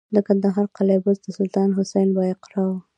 د کندهار قلعه بست د سلطان حسین بایقرا و